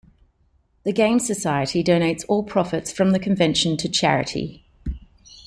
The Games Society donates all profits from the convention to charity.